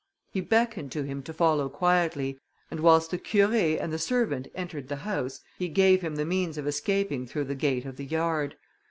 He beckoned to him to follow quietly, and whilst the Curé and the servant entered the house, he gave him the means of escaping through the gate of the yard.